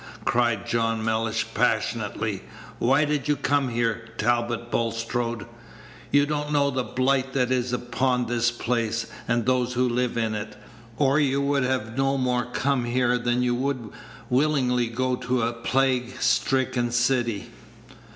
cried John Mellish, passionately; "why did you come here, Talbot Bulstrode? You don't know the blight that is upon this place, and those who live in it, or you would have no more come here than you would willingly go to a plague stricken city.